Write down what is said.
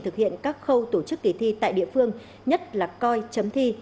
thực hiện các khâu tổ chức kỳ thi tại địa phương nhất là coi chấm thi